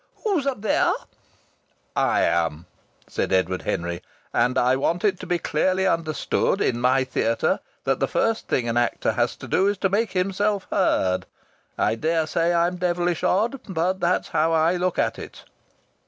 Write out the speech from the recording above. "Who's up theyah?" "I am," said Edward Henry. "And I want it to be clearly understood in my theatre that the first thing an actor has to do is to make himself heard. I daresay I'm devilish odd, but that's how I look at it."